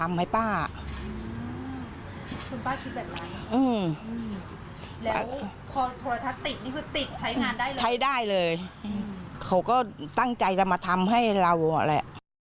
ใช้ได้เลยเขาก็ตั้งใจจะมาทำให้เราแหละ